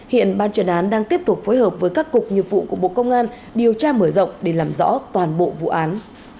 hiện ban chuyên đán đang tiếp tục phối hợp với các cục nhiệm vụ của bộ công an điều tra mở rộng để làm rõ toàn bộ vụ án